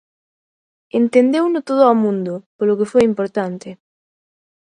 Entendeuno todo o mundo, polo que foi importante.